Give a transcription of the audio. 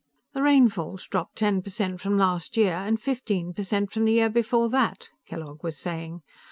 "The rainfall's dropped ten per cent from last year, and fifteen per cent from the year before that," Kellogg was saying.